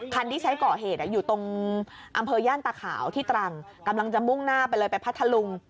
ที่ใช้ก่อเหตุอยู่ตรงอำเภอย่านตาขาวที่ตรังกำลังจะมุ่งหน้าไปเลยไปพัทธลุง